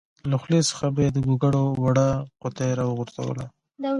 له خولې څخه به یې د ګوګړو وړه قطۍ راوغورځوله.